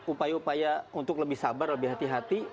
upaya upaya untuk lebih sabar lebih hati hati